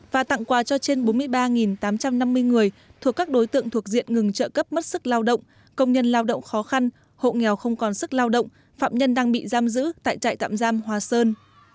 và tặng quà cho trên bốn mươi ba tám trăm năm mươi người thuộc các đối tượng thuộc diện ngừng trợ cấp mất sức lao động công nhân lao động khó khăn hộ nghèo không còn sức lao động phạm nhân đang bị giam giữ tại trại tạm giam hòa sơn